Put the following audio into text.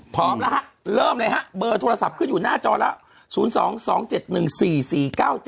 พร้อมแล้วฮะเริ่มเลยฮะเบอร์โทรศัพท์ขึ้นอยู่หน้าจอแล้ว๐๒๒๗๑๔๔๙๗